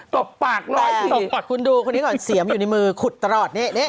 บปากรอยที่ตบอดคุณดูคนนี้ก่อนเสียมอยู่ในมือขุดตลอดนี่